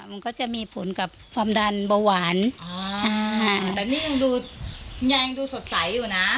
มันก็จะมีผลกับความดันเบาหวานอ๋ออ่าแต่นี่ยังดูแยงดูสดใสอยู่นะ